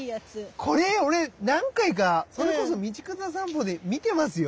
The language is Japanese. これ俺何回かそれこそ「道草さんぽ」で見てますよ。